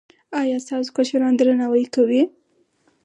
ایا ستاسو کشران درناوی کوي؟